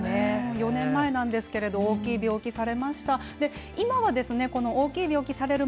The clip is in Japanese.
４年前なんですけど、大きい病気されました。